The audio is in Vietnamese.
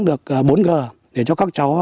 được bốn g để cho các cháu